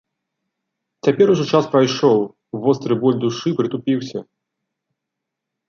Цяпер ужо час прайшоў, востры боль душы прытупіўся.